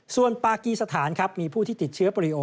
ส่วนปากีสถานครับมีผู้ที่ติดเชื้อโปรลิโอ